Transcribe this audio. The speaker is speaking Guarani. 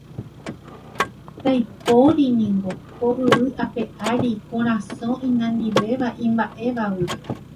Ndaipóringo ko yvy ape ári korasõ inandivéva imba'évagui